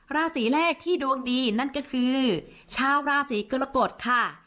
ราศีแรกที่ดวงดีนั่นก็คือชาวราศีกรกฎค่ะ